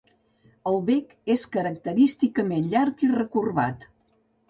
El bec és característicament llarg i recorbat.